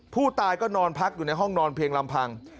ผู้ตายก็นอนพักอยู่ในห้องนอนเพียงลำพัง